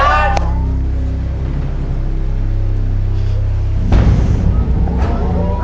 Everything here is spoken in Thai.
อ้าว